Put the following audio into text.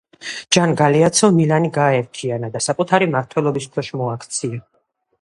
ჯან გალეაცომ მილანი გააერთიანა და საკუთარი მმართველობის ქვეშ მოაქცია.